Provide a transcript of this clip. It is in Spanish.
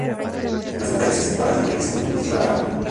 Las vocales acentuadas se realizan con un ligero alargamiento.